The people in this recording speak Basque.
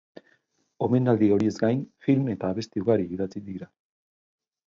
Omenaldi horiez gain, film eta abesti ugari idatzi dira.